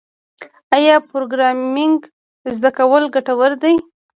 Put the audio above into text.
آیا پروګرامینګ زده کول ګټور دي؟